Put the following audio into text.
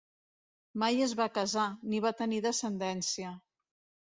Mai es va casar, ni va tenir descendència.